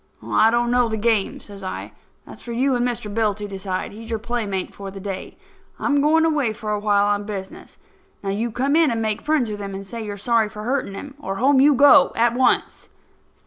"I don't know the game," says I. "That's for you and Mr. Bill to decide. He's your playmate for the day. I'm going away for a while, on business. Now, you come in and make friends with him and say you are sorry for hurting him, or home you go, at once."